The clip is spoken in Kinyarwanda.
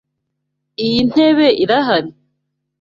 Iyi ntebe irahari?